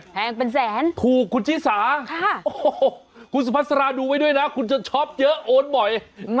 แพงเป็นแสนถูกคุณชิสาโอ้โหคุณสุพัสราดูไว้ด้วยนะคุณจะช็อปเยอะโอนบ่อย